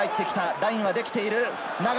ラインはできている。